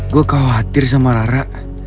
gue khawatir sama rara